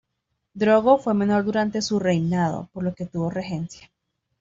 Drogo fue menor durante su reinado, por lo que tuvo regencia.